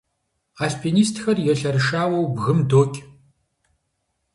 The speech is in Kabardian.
Альпинистхэр елъэрышауэу бгым докӏ.